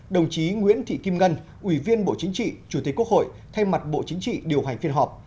đồng chí nguyễn thị kim ngân ủy viên bộ chính trị chủ tịch quốc hội thay mặt bộ chính trị điều hành phiên họp